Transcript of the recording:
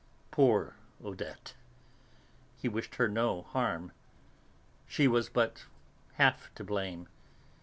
Poor Odette! He wished her no harm. She was but half to blame.